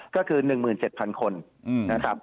ก็คือ๑๗๐๐คนนะครับ